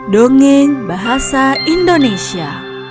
dongeng bahasa indonesia